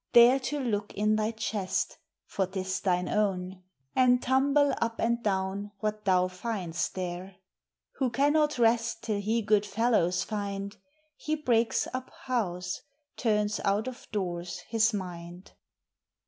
Dare to look in thy chest; for 't is thine own; And tumble up and down what thou find'st there. Who cannot rest till he good fellows finde, He breaks up house, turns out of doores his minde.